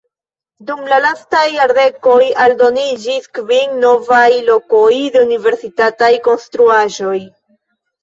Dum la lastaj jardekoj aldoniĝis kvin novaj lokoj de universitataj konstruaĵoj.